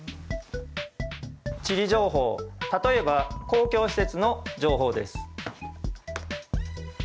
地理情報例えば公共施設の情報です。